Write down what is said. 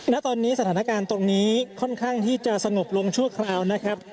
ณตอนนี้สถานการณ์ตรงนี้ค่อนข้างที่จะสงบลงชั่วคราวนะครับ